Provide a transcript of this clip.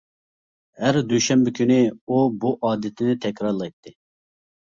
ھەر دۈشەنبە كۈنى ئۇ بۇ ئادىتىنى تەكرارلايتتى.